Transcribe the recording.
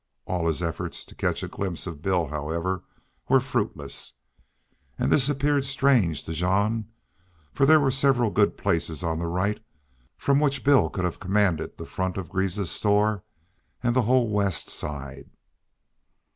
All his efforts to catch a glimpse of Bill, however, were fruitless. And this appeared strange to Jean, for there were several good places on the right from which Bill could have commanded the front of Greaves's store and the whole west side.